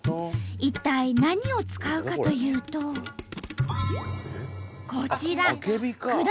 一体何を使うかというとこちら果物のあけび。